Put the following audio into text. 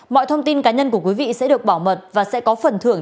mọi thông tin cá nhân của quý vị sẽ được bảo mật và sẽ có phần thưởng